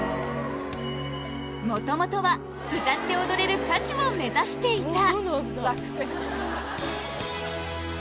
もともとは歌って踊れる歌手を目指していた落選